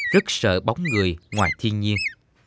rất sợ bóng người ngoài thiên nhiên